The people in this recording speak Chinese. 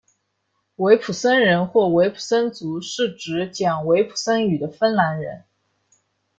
维普森人或维普森族是指讲维普森语的芬兰人。